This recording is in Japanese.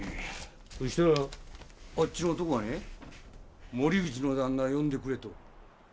そしたらあっちの男がね森口の旦那呼んでくれと。